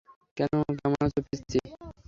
কেমন আছো, পিচ্চি?